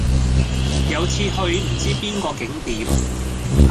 有次去唔知邊個景點